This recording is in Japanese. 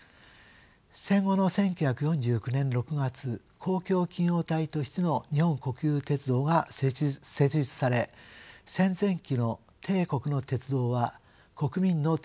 戦後の１９４９年６月公共企業体としての日本国有鉄道が設立され戦前期の帝国の鉄道は国民の鉄道に生まれ変わりました。